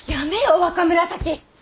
若紫。